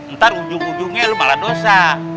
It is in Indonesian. ntar ujung ujungnya lo malah dosa